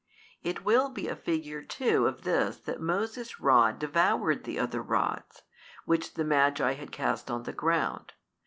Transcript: It will be a figure too of this that Moses' Rod devoured the other rods, which the Magi had cast on the ground.